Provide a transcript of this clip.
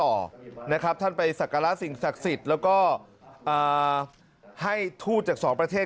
โอน้ำทรวมที่รักท่านไปศักราสิงห์ศักดิ่นสักสิทธิ์แล้วก็ให้ทู่จากสองประเทศ